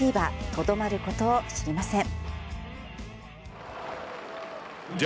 とどまることを知りません。